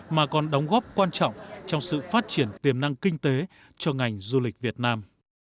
mà còn đóng góp quan trọng trong sự phát triển tiềm năng kinh tế cho ngành du lịch việt nam